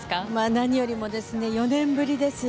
何よりも４年ぶりです。